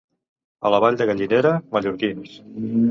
A la Vall de Gallinera, mallorquins.